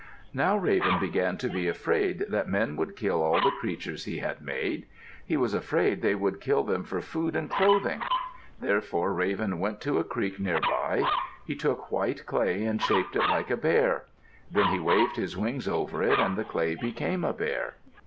Now Raven began to be afraid that men would kill all the creatures he had made. He was afraid they would kill them for food and clothing. Therefore Raven went to a creek nearby. He took white clay and shaped it like a bear. Then he waved his wings over it, and the clay became a bear.